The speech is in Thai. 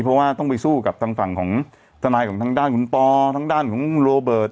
เพราะว่าต้องไปสู้กับทางฝั่งของทนายของทางด้านคุณปอทางด้านของคุณโรเบิร์ต